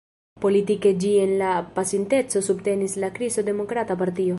Politike ĝi en la pasinteco subtenis la Kristo-Demokrata partio.